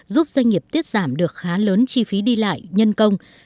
giúp doanh nghiệp tiết giảm được khá lớn chi phí đi lại nhân công